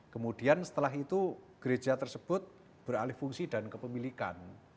kemudian setelah itu gereja tersebut beralih fungsi dan kepemilikan